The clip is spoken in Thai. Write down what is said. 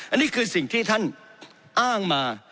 อันนี้คือสิ่งที่ท่านอ้างมา